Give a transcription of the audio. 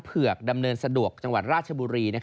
เผือกดำเนินสะดวกจังหวัดราชบุรี